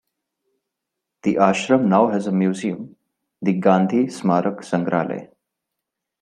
The ashram now has a museum, the Gandhi Smarak Sangrahalaya.